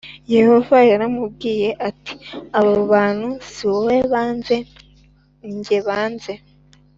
Yehova yaramubwiye ati aba bantu si wowe banze ni jye banze